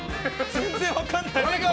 全然分からない。